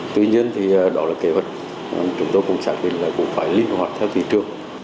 tuy nhiên thì đó là kế hoạch chúng tôi cũng xác định là cũng phải linh hoạt theo thị trường